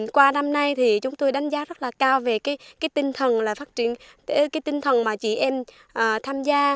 qua năm nay thì chúng tôi đánh giá rất là cao về cái tinh thần mà chị em tham gia